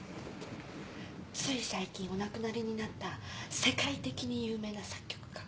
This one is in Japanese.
つい最近お亡くなりになった世界的に有名な作曲家。